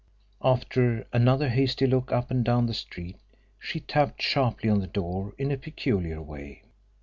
After another hasty look up and down the street she tapped sharply on the door in a peculiar way.